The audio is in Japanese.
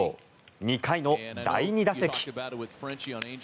２回の第２打席。